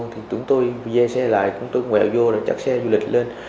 thì chúng tôi dê xe lại chúng tôi quẹo vô chặt xe du lịch lên